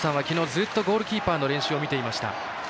ずっとゴールキーパー練習を見ていました。